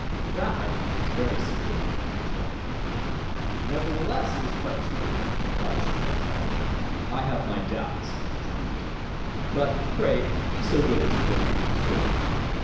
"That I think, was very singular," interrupted the king. "Nevertheless, it is quite true," replied Scheherazade. "I have my doubts," rejoined the king; "but, pray, be so good as to go on with the story."